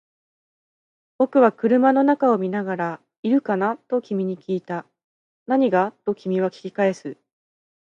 僕は車の中を見ながら、いるかな？と君に訊いた。何が？と君は訊き返す。